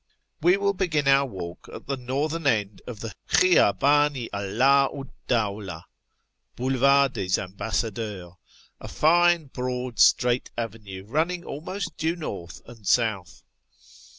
We will begin our w^alk at the northern end of the Kliiydhdn i Aid 'u'd Dawlah (" Boulevard des Ambassadeurs "), a fine broad, straight avenue, running almost due north and south.